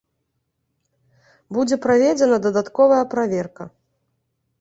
Будзе праведзена дадатковая праверка.